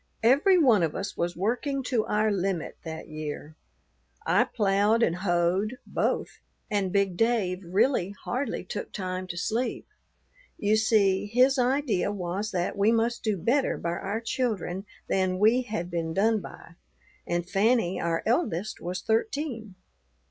Every one of us was working to our limit that year. I ploughed and hoed, both, and big Dave really hardly took time to sleep. You see, his idea was that we must do better by our children than we had been done by, and Fanny, our eldest, was thirteen.